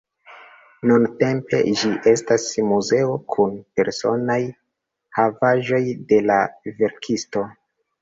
Nuntempe ĝi estas muzeo kun personaj havaĵoj de la verkisto.